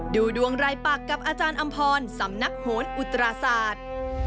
ดูดวงรายปักกับอาจารย์อำพรสำนักโหนอุตราศาสตร์